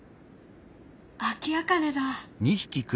アキアカネだ。